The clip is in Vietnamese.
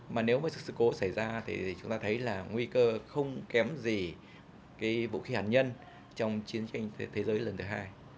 mà nếu mà sự cố xảy ra thì chúng ta thấy là nguy cơ không kém gì cái vũ khí hạt nhân trong chiến tranh thế giới lần thứ hai